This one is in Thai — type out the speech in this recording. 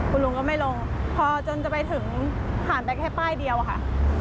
คุณลุงก็ไม่ลงพอจนจะไปถึงผ่านไปแค่ป้ายเดียวอะค่ะ